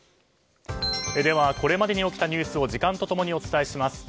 これまでに起きたニュースを時間と共にお伝えします。